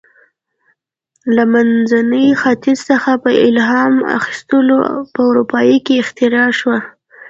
له منځني ختیځ څخه په الهام اخیستو په اروپا کې اختراع شوه.